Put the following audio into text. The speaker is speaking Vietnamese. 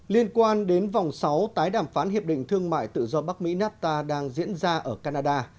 liên quan đến vòng sáu tái đàm phán hiệp định thương mại tự do bắc mỹ nafta đang diễn ra ở canada